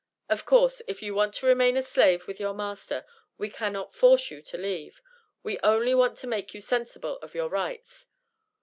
Of course, if you want to remain a slave with your master, we cannot force you to leave; we only want to make you sensible of your rights.